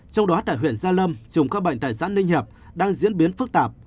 trong đó tại huyện gia lâm chùm ca bệnh tại xã ninh hiệp đang diễn biến phức tạp